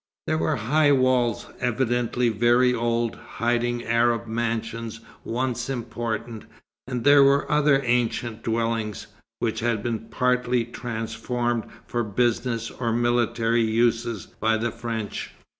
There were high walls, evidently very old, hiding Arab mansions once important, and there were other ancient dwellings, which had been partly transformed for business or military uses by the French.